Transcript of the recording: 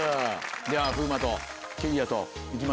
じゃあ風磨ときりやと行きましょうか。